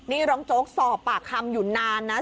นี่รองโจ๊กสอบปากคำอยู่นานนะ